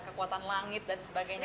kekuatan langit dan sebagainya